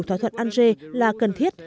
thỏa thuận ange là cần thiết